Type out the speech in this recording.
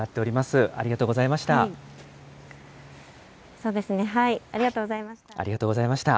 そうですね、ありがとうございました。